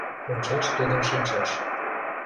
Ончаш тудын шинчаш